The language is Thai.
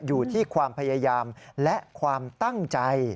อยู่ที่ความพยายามและความตั้งใจ